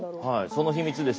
その秘密ですね